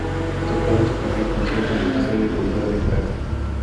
Tocaron su primer concierto en la Casa de la Cultura de Praga.